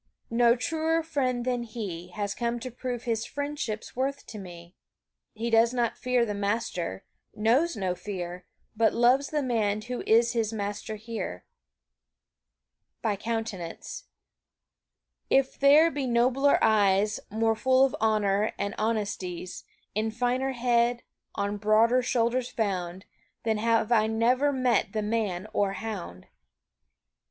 No truer friend than he Has come to prove his friendship's worth to me. He does not fear the master knows no fear But loves the man who is his master here. By countenance. If there be nobler eyes, More full of honor and of honesties, In finer head, on broader shoulders found, Then have I never met the man or hound.